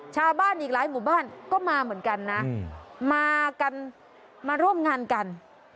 ชาวบ้านอีกหลายหมู่บ้านก็มาเหมือนกันนะมากันมาร่วมงานกัน